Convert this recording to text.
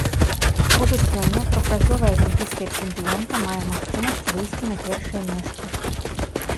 Ужо сёння трохразовая алімпійская чэмпіёнка мае магчымасць выйсці на першае месца.